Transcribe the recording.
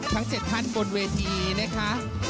ทั้ง๗ท่านบนเวทีนะคะ